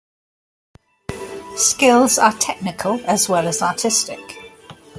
Skills are technical as well as artistic.